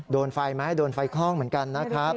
โดนไฟไหมโดนไฟคล่องเหมือนกันนะครับ